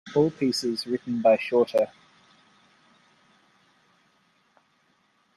All pieces written by Shorter.